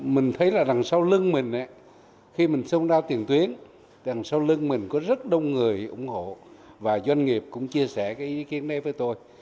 mình thấy là đằng sau lưng mình khi mình xông đao tiền tuyến đằng sau lưng mình có rất đông người ủng hộ và doanh nghiệp cũng chia sẻ cái ý kiến đấy với tôi